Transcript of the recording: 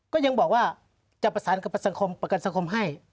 ก็ยังบอกว่าจะประสานกับสังคมประกันสังคมให้